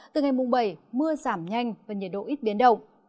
từ ngày mùng bảy mưa giảm nhanh và nhiệt độ ít biến động